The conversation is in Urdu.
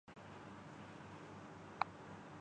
اچھا پلئیر نہیں بن سکتا،